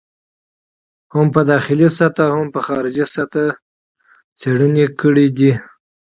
هم په داخلي سطحه او هم په خارجي سطحه څېړنه کړې دي.